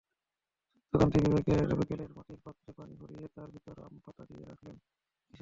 চৈত্রসংক্রান্তির বিকেলের মাটির পাত্রে পানি ভরিয়ে তার ভেতর আমপাতা দিয়ে রাখতেন কিষানিরা।